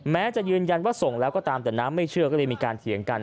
แม้จะยืนยันว่าส่งแล้วก็ตามแต่น้ำไม่เชื่อก็เลยมีการเถียงกัน